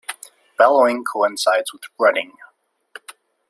Bellowing coincides with rutting.